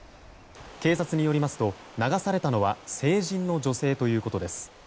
警察によりますと流されたのは成人の女性ということです。